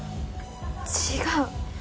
違う。